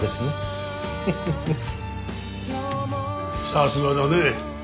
さすがだね。